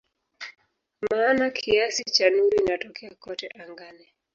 Maana kiasi cha nuru inatokea kote angani.